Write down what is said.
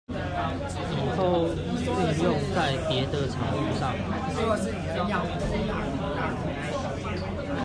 以後運用在別的場域上